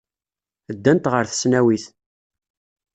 Ddant ɣer tesnawit.